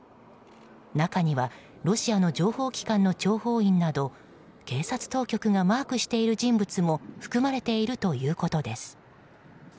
中にはロシアの情報機関の諜報員など警察当局がマークしている人物も含まれているということです。